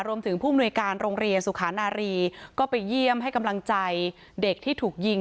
ผู้มนุยการโรงเรียนสุขานารีก็ไปเยี่ยมให้กำลังใจเด็กที่ถูกยิง